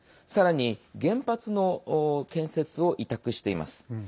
さらに、原発の建設を委託しています。